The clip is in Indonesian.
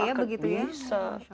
bisa ya begitu ya bisa